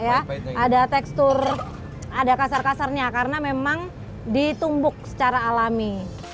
ada tekstur ada kasar kasarnya karena memang ditumbuk secara alami